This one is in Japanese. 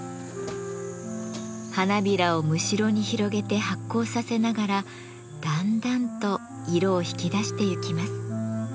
花びらをむしろに広げて発酵させながらだんだんと色を引き出してゆきます。